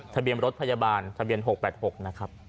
ทะเบียนรถพยาบาลทะเบียน๖๘๖นะครับ